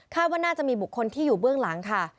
ว่าน่าจะมีบุคคลที่อยู่เบื้องหลังค่ะ